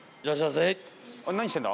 何してんだ？